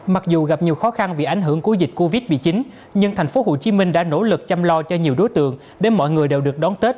mặc dù gặp nhiều khó khăn vì ảnh hưởng của dịch covid một mươi chín bị chín nhưng thành phố hồ chí minh đã nỗ lực chăm lo cho nhiều đối tượng để mọi người đều được đón tết